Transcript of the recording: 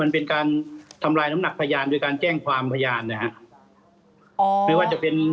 มันเป็นการทำลายน้ำหนักพยานโดยการแจ้งความพยานนะครับ